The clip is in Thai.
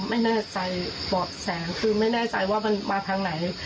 ไม่แน่ใจบอกแสงคือไม่แน่ใจว่ามันมาทางไหน